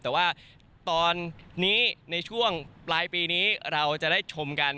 แต่ว่าตอนนี้ในช่วงปลายปีนี้เราจะได้ชมกัน